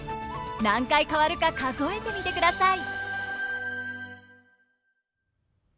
何回変わるか数えてみてください！